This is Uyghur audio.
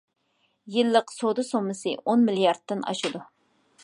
يىللىق سودا سوممىسى ئون مىلياردتىن ئاشىدۇ.